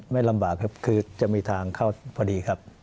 ไม่ลำบากครับคือจะมีทางเข้าพอดีครับ